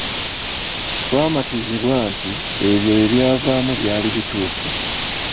Twamatizibwa nti ebyo ebyavaamu byali bituufu.